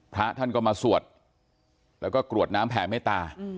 พระท่านก็มาสวดแล้วก็กรวดน้ำแผ่เมตตา